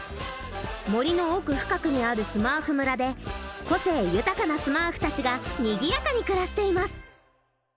森の奥深くにあるスマーフ村で個性豊かなスマーフたちがにぎやかに暮らしています。